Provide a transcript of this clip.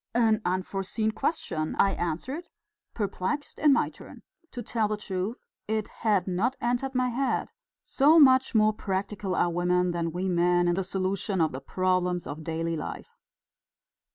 "An unforeseen question," I answered, perplexed in my turn. To tell the truth, it had not entered my head, so much more practical are women than we men in the solution of the problems of daily life!